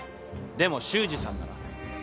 でも修二さんなら？